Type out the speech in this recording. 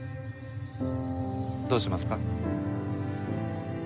どうしますか？